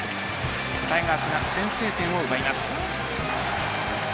タイガースが先制点を奪います。